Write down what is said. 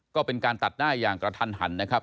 ก็เป็นการตัดหน้าอย่างกระทันหันนะครับ